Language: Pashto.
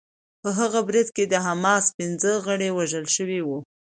په هغه برید کې د حماس پنځه غړي وژل شوي وو